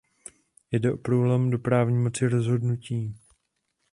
Jde o průlom do právní moci rozhodnutí.